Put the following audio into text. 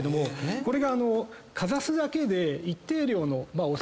これが。